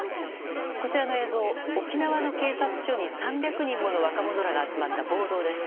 こちらの映像、沖縄の警察署に３００人もの若者らが集まった暴動です。